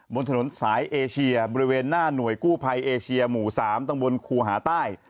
บนถนนสายเอเชียบริเวณหน้าหน่วยกู้ภัยเอเชียหมู่๓ตำบลครูหาใต้